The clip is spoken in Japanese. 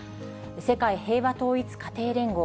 世界平和統一家庭連合。